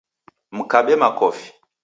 Mkabe makofi.